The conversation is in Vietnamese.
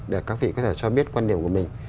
để các vị có thể cho biết quan điểm của mình